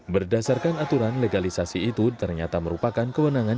berdasarkan aturan legalisasi itu ternyata merupakan kewenangan